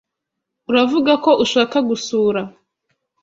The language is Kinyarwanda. Uravuga ko ushaka gusura